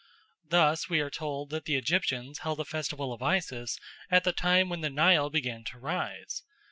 Thus we are told that the Egyptians held a festival of Isis at the time when the Nile began to rise.